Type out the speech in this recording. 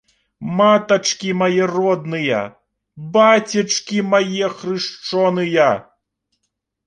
Матачкі мае родныя, бацечкі мае хрышчоныя!